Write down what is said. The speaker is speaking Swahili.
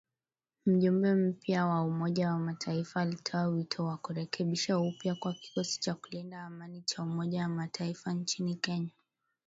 Mjumbe mpya wa Umoja wa mataifa alitoa wito wa kurekebishwa upya kwa kikosi cha kulinda amani cha Umoja wa Mataifa nchini Kenya